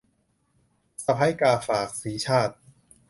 สะใภ้กาฝาก - สีชาติ